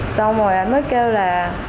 xong rồi anh mới kêu là